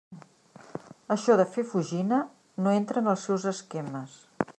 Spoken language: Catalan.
Això de fer fugina, no entra en els seus esquemes.